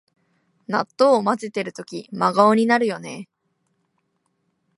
納豆をまぜてるとき真顔になるよね